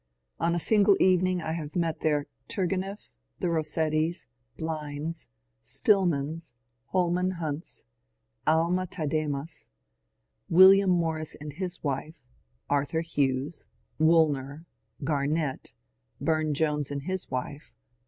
On a single evening I have met there Turgenief, the Bossettis, Blinds, Stillmans, Holman Hunts, Alma Tademas, William Morris and his wife, Arthur Hughes, Woolner, Gamett, Bume Jones and wife.